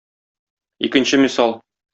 Икенче мисал.